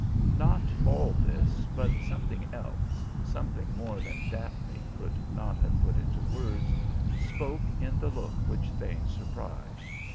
Not all this, but something else, something more that Daphne could not have put into words, spoke in the look which Thane surprised.